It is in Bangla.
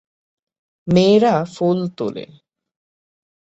মেয়েরা ফুল তোলে।